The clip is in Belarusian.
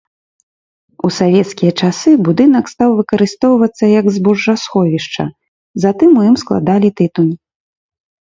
У савецкія часы будынак стаў выкарыстоўвацца як збожжасховішча, затым у ім складалі тытунь.